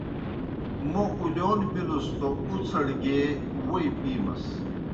موْ اُلِیون بِلُس توْ اُڅھڑ گیے ووئی پِیمَس۔